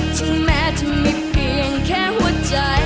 ที่แม้เธอมีเพียงแค่หัวใจ